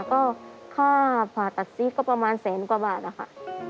ก็ค่าผ่าตัดซีกก็ประมาณแสนกว่าบาทนะคะ